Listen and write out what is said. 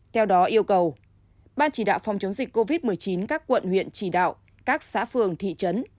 theo đó yêu cầu ban chỉ đạo phòng chống dịch covid một mươi chín các quận huyện chỉ đạo các xã phường thị trấn